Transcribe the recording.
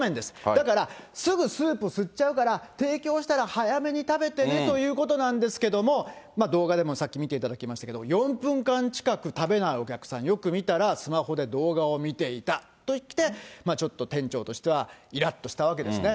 だからすぐスープ吸っちゃうから、提供したら早めに食べてねということなんですけども、動画でもさっき見ていただきましたけれども、４分間近く食べないお客さん、よく見たら、スマホで動画を見ていたといって、ちょっと店長としてはいらっとしたわけですね。